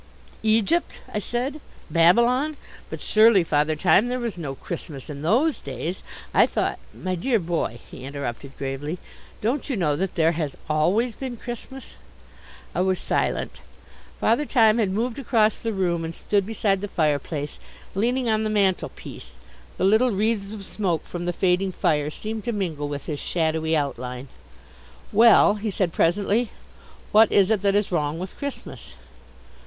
"Egypt?" I said. "Babylon? But surely, Father Time, there was no Christmas in those days. I thought " "My dear boy," he interrupted gravely, "don't you know that there has always been Christmas?" I was silent. Father Time had moved across the room and stood beside the fireplace, leaning on the mantelpiece. The little wreaths of smoke from the fading fire seemed to mingle with his shadowy outline. "Well," he said presently, "what is it that is wrong with Christmas?"